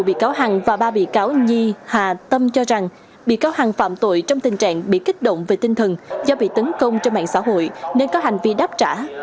bị cáo hằng và ba bị cáo nhi hà tâm cho rằng bị cáo hàng phạm tội trong tình trạng bị kích động về tinh thần do bị tấn công trên mạng xã hội nên có hành vi đáp trả